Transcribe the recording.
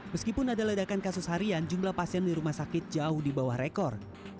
meskipun ada ledakan kasus harian jumlah pasien di rumah sakit jauh di bawah rekor